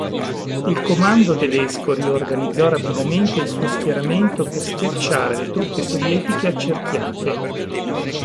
Il comando tedesco riorganizzò rapidamente il suo schieramento per schiacciare le truppe sovietiche accerchiate.